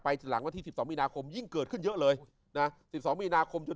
หลังวันที่๑๒มีนาคมยิ่งเกิดขึ้นเยอะเลยนะ๑๒มีนาคมจะ